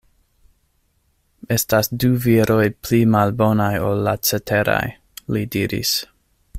Estas du viroj pli malbonaj ol la ceteraj” li diris.